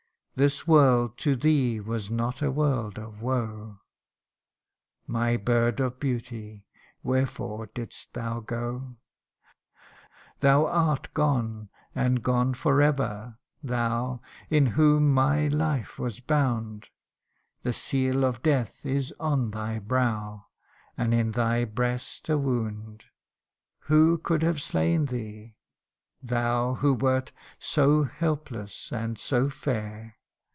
This world to thee was not a world of woe : My bird of beauty ! wherefore didst thou go ? t ' Thou art gone, and gone for ever thou In whom my life was bound : The seal of death is on thy brow, And in thy breast a wound. Who could have slain thee, thou who wert So helpless and so fair